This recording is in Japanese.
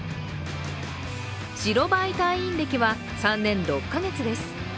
白バイ隊員歴は３年６か月です。